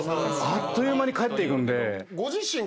あっという間に帰ってく。